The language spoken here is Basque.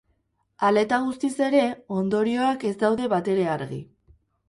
Hala eta guztiz ere, ondorioak ez daude batere argi.